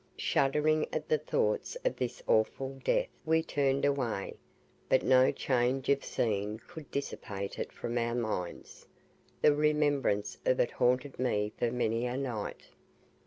Shuddering at the thoughts of this awful death we turned away, but no change of scene could dissipate it from our minds the remembrance of it haunted me for many a night.